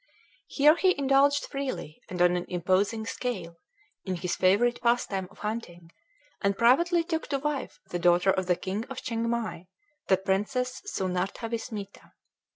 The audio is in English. Here he indulged freely, and on an imposing scale, in his favorite pastime of hunting, and privately took to wife the daughter of the king of Chiengmai, the Princess Sunartha Vismita.